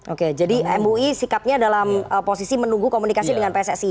oke jadi mui sikapnya dalam posisi menunggu komunikasi dengan pssi